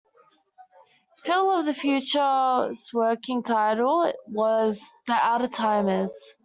"Phil of the Future"s working title was "The Out of Timers".